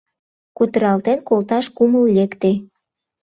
Кутыралтен колташ кумыл лекте.